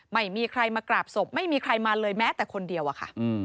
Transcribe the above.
ไม่มีใครมากราบศพไม่มีใครมาเลยแม้แต่คนเดียวอะค่ะ